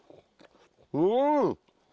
うん！